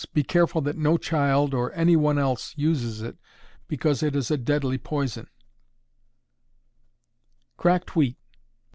Be careful that no child, nor any one else uses it, because it a deadly poison. _Cracked Wheat.